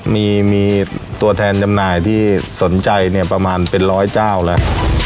มีตัวแทนจำหน่ายที่สนใจเนี่ยประมาณเป็นร้อยเจ้าแล้ว